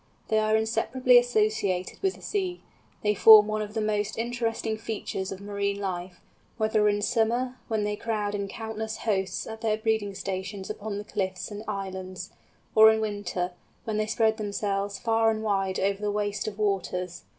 They are inseparably associated with the sea; they form one of the most interesting features of marine life, whether in summer, when they crowd in countless hosts at their breeding stations upon the cliffs and islands, or in winter, when they spread themselves far and wide over the waste of waters.